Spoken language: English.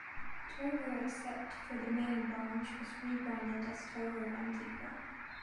Toho except for the main branch was rebranded as Toho Antigua.